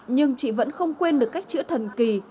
nhưng chị vẫn không quên được cách chữa thần kỳ